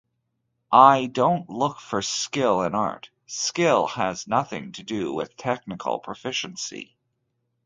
I don't look for skill in art...Skill has nothing to do with technical proficiency...